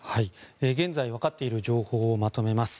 現在わかっている情報をまとめます。